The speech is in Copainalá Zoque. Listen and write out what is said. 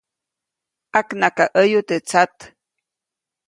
ʼAknakaʼäyu teʼ tsat.